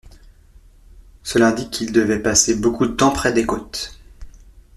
Cela indique qu'il devait passer beaucoup de temps près des côtes.